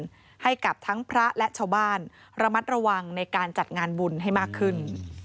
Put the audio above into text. ให้กับทั้งพระและชาวบ้านระมัดระวังในการจัดงานบุญให้มากขึ้น